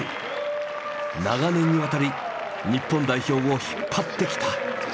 長年にわたり日本代表を引っ張ってきた。